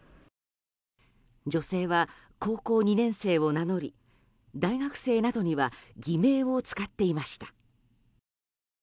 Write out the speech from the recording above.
女性は、高校２年生を名乗り大学生などには偽名を使っていました。